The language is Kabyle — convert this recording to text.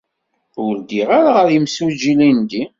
Ur ddiɣ ara ɣer yimsujji ilindi.